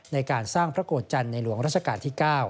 ในการสร้างพระโกรธจันทร์ในหลวงราชการที่๙